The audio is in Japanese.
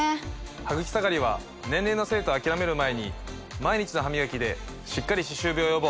ハグキ下がりは年齢のせいと諦める前に毎日の歯磨きでしっかり歯周病予防。